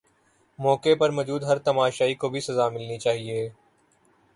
موقع پر موجود ہر تماشائی کو بھی سزا ملنی چاہیے